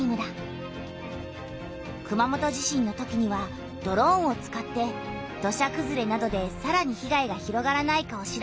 熊本地震のときにはドローンを使って土砂くずれなどでさらに被害が広がらないかを調べたんだ。